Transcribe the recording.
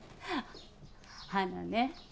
花ね